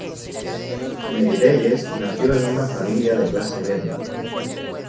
Meirelles nació en una familia de clase media.